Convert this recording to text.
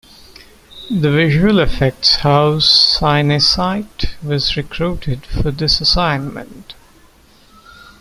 The visual effects house Cinesite was recruited for this assignment.